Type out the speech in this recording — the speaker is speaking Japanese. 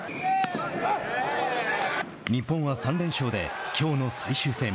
日本は３連勝できょうの最終戦